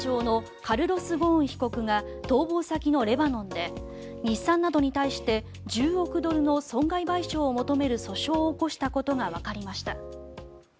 日産自動車元会長のカルロス・ゴーン被告が逃亡先のレバノンで日産などに対して１０億ドルの損害賠償を求める訴訟を起こしたことがわかりました。